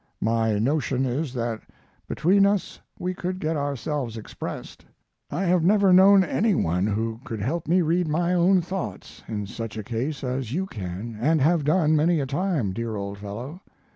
My notion is that between us we could get ourselves expressed. I have never known any one who could help me read my own thoughts in such a case as you can and have done many a time, dear old fellow.